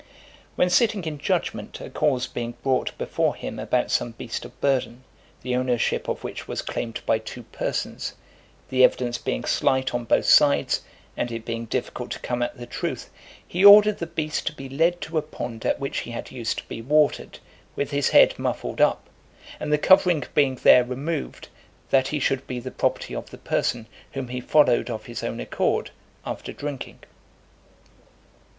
When sitting in judgment, a cause being brought before him about some beast of burden, the ownership of which was claimed by two persons; the evidence being slight on both sides, and it being difficult to come at the truth, he ordered the beast to be led to a pond at which he had used to be watered, with his head muffled up, and the covering being there removed, that he should be the property of the person whom he followed of his own accord, after drinking.